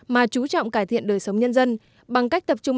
mà trú trọng cải thiện đời sống nhân dân